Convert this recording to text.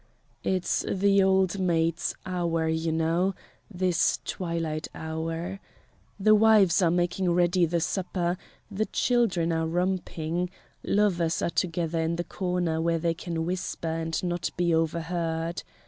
It's the old maid's hour, you know this twilight hour. The wives are making ready the supper; the children are romping; lovers are together in the corner where they can whisper and not be overheard.